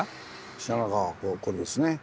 信濃川これですね。